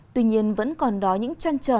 tuy nhiên vẫn còn đó những trăn trở